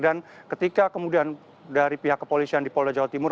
dan ketika kemudian dari pihak kepolisian di polda jawa timur